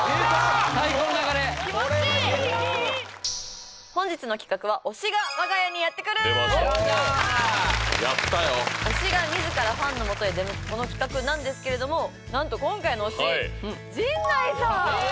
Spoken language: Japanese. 最高の流れ気持ちいい本日の企画はやったよ推しが自らファンのもとへ出向くこの企画なんですけれどもなんと今回の推し・陣内さん！